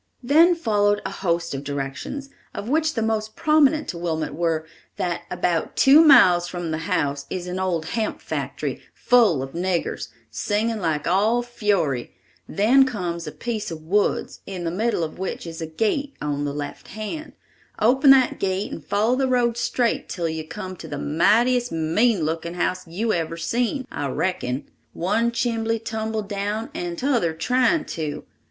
Then followed a host of directions, of which the most prominent to Wilmot were, that "about two miles from the house is an old hemp factory, full of niggers, singing like all fury; then comes a piece of woods, in the middle of which is a gate on the left hand; open that gate and follow the road straight till you come to the mightiest, mean looking house you ever seen, I reckon; one chimbley tumbled down, and t'other trying to.